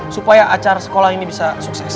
supaya acara sekolah ini bisa sukses